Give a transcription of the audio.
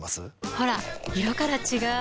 ほら色から違う！